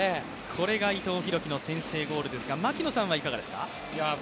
これが伊藤洋輝の先制ゴールでしたが槙野さんはいかがでした？